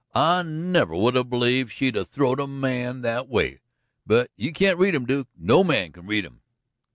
I never would 'a' believed she'd 'a' throwed a man that way, but you can't read 'em, Duke; no man can read 'em."